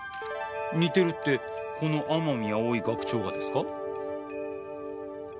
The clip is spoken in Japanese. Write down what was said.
似てるってこの天海葵学長がですか？